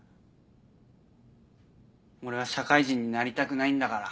俺は社会人になりたくないんだから。